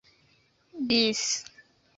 bis